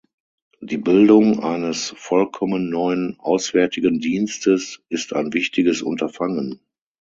Die Bildung eines vollkommen neuen Auswärtigen Dienstes ist ein wichtiges Unterfangen.